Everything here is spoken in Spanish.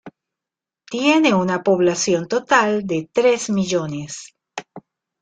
Tiene una población total de tres millones.